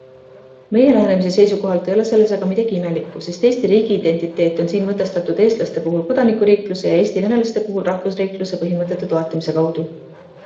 Meie lähenemise seisukohalt ei ole selles aga midagi imelikku, sest Eesti riigiidentiteet on siin mõtestatud eestlaste puhul kodanikuriikluse ja eestivenelaste puhul rahvusriikluse põhimõtete toetamise kaudu.